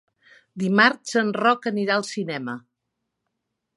Dimarts en Roc anirà al cinema.